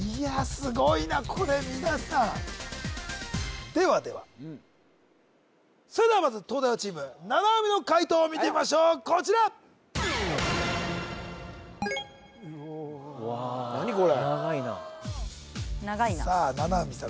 すごいなこれ皆さんではではそれではまず東大王チーム七海の解答を見てみましょうこちらわあ長いな何これ長いなさあ七海さん